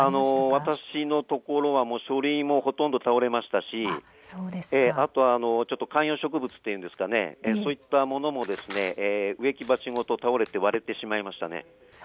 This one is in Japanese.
私のところは書類もほとんど倒れましたし観葉植物も、そういったものも植木鉢ごと倒れて割れてしまいました。